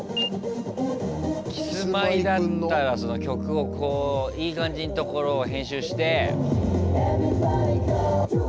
キスマイだったらその曲をいい感じんところを編集して。